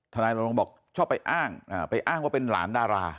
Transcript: นายรณรงค์บอกชอบไปอ้างไปอ้างว่าเป็นหลานดารา